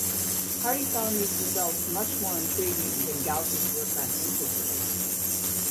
Hardy found these results "much more intriguing" than Gauss's work on integrals.